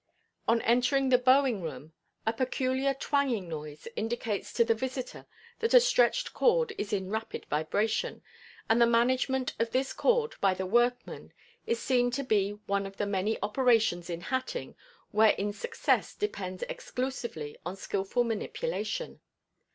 On entering the "bowing room" a peculiar twanging noise indicates to the visitor that a stretched cord is in rapid vibration, and the management of this cord by the workman is seen to be one of the many operations in hatting wherein success depends exclusively on skillful manipulation.